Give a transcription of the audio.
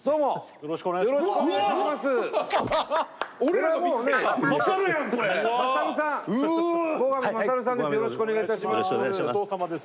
よろしくお願いします。